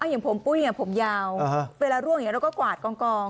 อย่างผมปุ้ยผมยาวเวลาร่วงอย่างนี้เราก็กวาดกอง